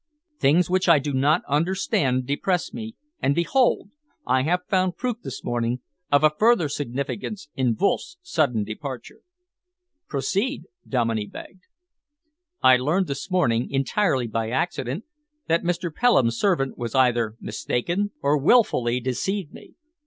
Things which I do not understand depress me, and behold! I have found proof this morning of a further significance in Wolff's sudden departure." "Proceed," Dominey begged. "I learned this morning, entirely by accident, that Mr. Pelham's servant was either mistaken or willfully deceived me.